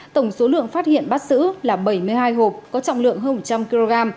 tổng số lượng phát hiện bắt giữ là bảy mươi hai hộp có trọng lượng hơn một trăm linh kg